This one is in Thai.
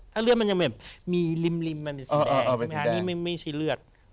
เมื่อเรือมันยังอยู่บนริ่มมันเป็นสีแดงไม่ใช่เลือด